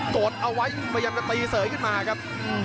กดเอาไว้พยายามจะตีเสยขึ้นมาครับ